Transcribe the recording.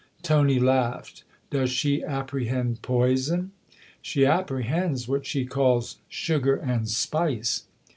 Tony laughed. " Does she apprehend poison ?" "She apprehends what she calls ' sugar and spice.'